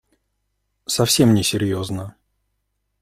Совсем не серьезно.